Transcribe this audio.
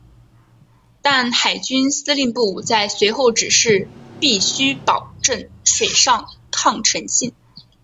但海军司令部在随后指示必须保证水上抗沉性。